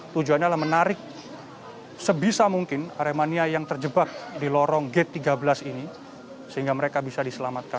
tujuannya adalah menarik sebisa mungkin aremania yang terjebak di lorong gate tiga belas ini sehingga mereka bisa diselamatkan